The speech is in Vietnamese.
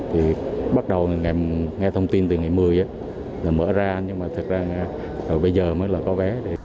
thì bắt đầu nghe thông tin từ ngày một mươi là mở ra nhưng mà thật ra bây giờ mới là có vé